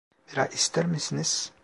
Bira ister misiniz?